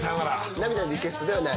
『涙のリクエスト』ではない？